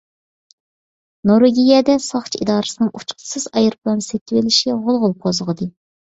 نورۋېگىيەدە ساقچى ئىدارىسىنىڭ ئۇچقۇچىسىز ئايروپىلان سېتىۋېلىشى غۇلغۇلا قوزغىدى.